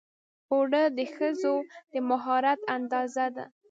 اوړه د ښځو د مهارت اندازه ده